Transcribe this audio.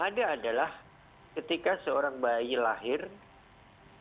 jadi yang ada adalah ketika seorang bayi lahir dari seorang ibu